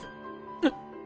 えっ！